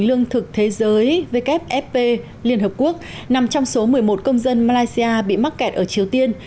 lương thực thế giới wfp liên hợp quốc nằm trong số một mươi một công dân malaysia bị mắc kẹt ở triều tiên